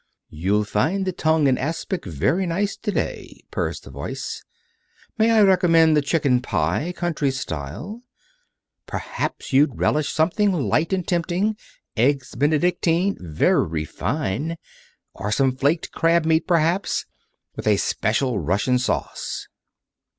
"You'll find the tongue in aspic very nice today," purrs the Voice. "May I recommend the chicken pie, country style? Perhaps you'd relish something light and tempting. Eggs Benedictine. Very fine. Or some flaked crab meat, perhaps. With a special Russian sauce."